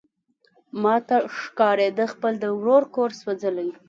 ماته ښکاري ده خپله د ورور کور سوزولی.